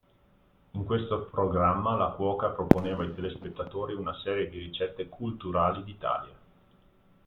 In questo programma la cuoca proponeva ai telespettatori una serie di ricette culturali d'Italia.